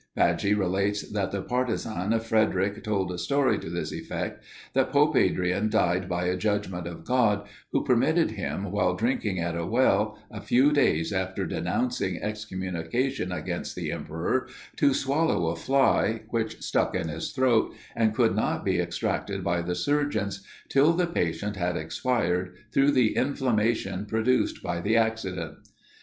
Pagi relates that the partisans of Frederic told a story to this effect that Pope Adrian died by a judgment of God, who permitted him while drinking at a well, a few days after denouncing excommunication against the emperor, to swallow a fly, which stuck in his throat, and could not be extracted by the surgeons, till the patient had expired through the inflammation produced by the accident.